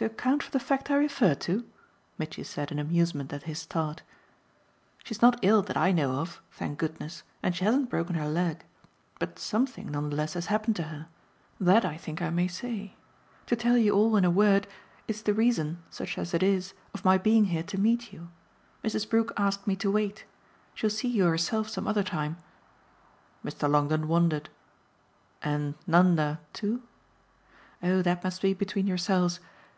"To account for the fact I refer to?" Mitchy said in amusement at his start. "She's not ill, that I know of, thank goodness, and she hasn't broken her leg. But something, none the less, has happened to her that I think I may say. To tell you all in a word, it's the reason, such as it is, of my being here to meet you. Mrs. Brook asked me to wait. She'll see you herself some other time." Mr. Longdon wondered. "And Nanda too?" "Oh that must be between yourselves.